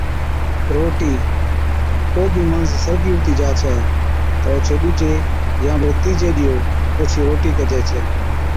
رٽِي، ڪو بِي ماڻس سرگِي ھُتِي جا ڇَي تہ اوڇي ڏُوجي يا بڙي تِيجي ڏِيئو اوڇِي روٽِي ڪجَي ڇَي